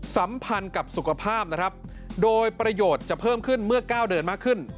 สัมพันธ์กับสุขภาพโดยประโยชน์จะเพิ่มขึ้นเมื่อก้าวเดินมากขึ้น